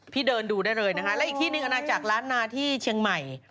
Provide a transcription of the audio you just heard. เดินดูได้เลยนะคะและอีกที่หนึ่งอาณาจักรล้านนาที่เชียงใหม่